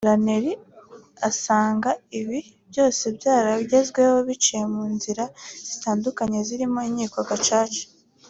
Lamin asanga ibi byose byaragezweho biciye mu nzira zitandukanye zirimo inkiko Gacaca